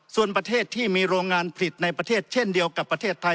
ส่วนประเทศที่มีโรงงานผลิตในประเทศเช่นเดียวกับประเทศไทย